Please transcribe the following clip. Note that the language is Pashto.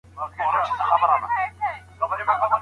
که په ویډیو کي انځورونه روښانه نه وي نو کیفیت یې خرابیږي.